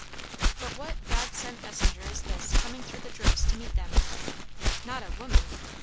But what God sent messenger is this coming through the drifts to meet them? Not a woman!